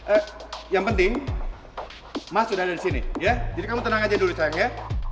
eh yang penting mas udah ada disini ya jadi kamu tenang aja dulu sayang ya